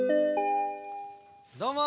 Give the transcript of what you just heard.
どうも。